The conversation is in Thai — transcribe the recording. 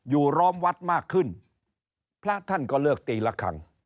อยู่ล้อมวัดมากขึ้น